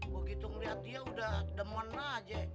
kalo gitu ngeliat dia udah demen aja